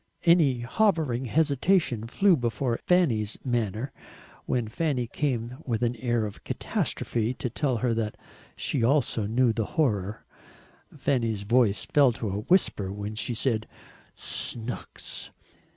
Any hovering hesitation flew before Fanny's manner, when Fanny came with an air of catastrophe to tell that she also knew the horror. Fanny's voice fell to a whisper when she said SNOOKS.